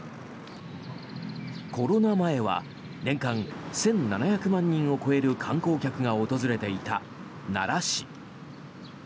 コロナ前は年間１７００万人を超える観光客が訪れていた奈良市。